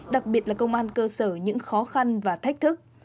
đặc biệt là công an cơ sở những khó khăn và thách thức